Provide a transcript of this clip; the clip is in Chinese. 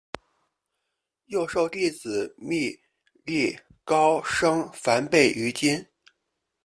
又授弟子觅历高声梵呗于今。